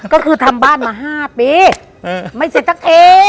ก็คือทำบ้านมา๕ปีไม่เสร็จสักที